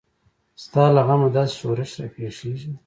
ستا له غمه داسې شورش راپېښیږي.